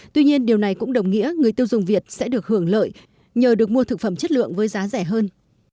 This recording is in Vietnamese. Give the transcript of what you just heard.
tuy nhiên điều này cũng đồng nghĩa người tiêu dùng việt sẽ được hưởng lợi nhờ được mua thực phẩm chất lượng với giá rẻ hơn